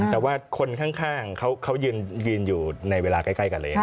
แต่ว่าคนข้างเขายืนอยู่ในเวลาใกล้กันเลย